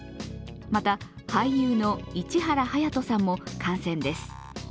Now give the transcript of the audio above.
また、俳優の市原隼人さんも感染です。